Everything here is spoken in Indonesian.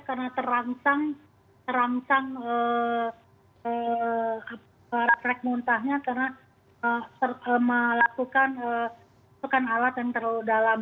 karena terangsang refleks muntahnya karena melakukan sukan alat yang terlalu dalam